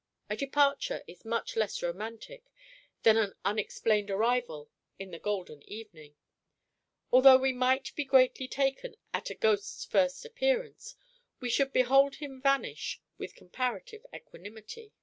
A departure is much less romantic than an unexplained arrival in the golden evening. Although we might be greatly taken at a ghost's first appearance, we should behold him vanish with comparative equanimity.